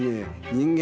人間